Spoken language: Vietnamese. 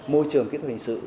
môi trường kỹ thuật hình sự